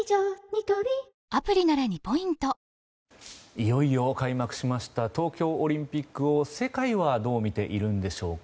いよいよ開幕しました東京オリンピックを世界はどう見ているんでしょうか。